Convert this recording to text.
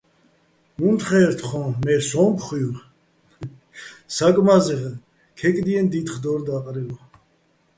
უნთხე́ჸერ თხოჼ, მე სო́მხუჲვ საკმა́ზეღ ქეკდიენო̆ დითხ დო́რ და́ყრელო.